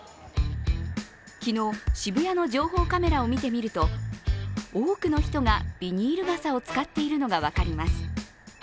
昨日、渋谷の情報カメラを見てみると多くの人がビニール傘を使っているのが分かります。